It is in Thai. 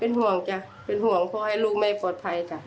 ห่วงจ้ะเป็นห่วงเพราะให้ลูกไม่ปลอดภัยจ้ะ